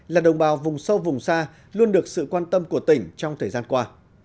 là đồng bào vùng sâu vùng xa luôn được sự quan tâm của tỉnh trong thời gian qua